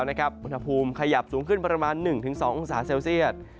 อุณหภูมิขยับสูงขึ้นประมาณ๑๒องศาเซลเซียต